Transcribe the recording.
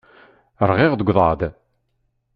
Rɣiɣ deg uḍaḍ.